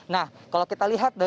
nah kalau kita lihat